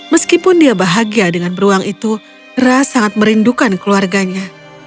meskipun dia bahagia dengan beruang itu ra sangat merindukan keluarganya